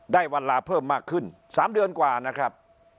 ได้เวลาเพิ่มมากขึ้น๓เดือนกว่านะครับ